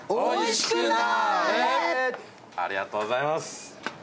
ありがとうございます。